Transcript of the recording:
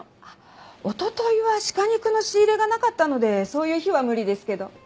あっおとといは鹿肉の仕入れがなかったのでそういう日は無理ですけど。